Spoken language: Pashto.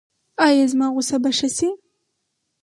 ایا زما غوسه به ښه شي؟